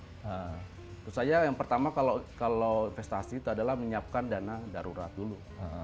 menurut saya yang pertama kalau investasi itu adalah menyiapkan dana darurat dulu